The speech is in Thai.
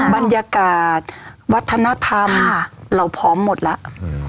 บรรยากาศวัฒนธรรมเราพร้อมหมดแล้ว